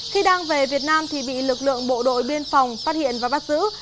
khi đang về việt nam thì bị lực lượng bộ đội biên phòng phát hiện và bắt giữ